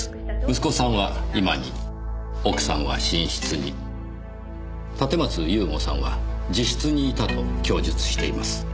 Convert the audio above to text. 息子さんは居間に奥さんは寝室に立松雄吾さんは自室にいたと供述しています。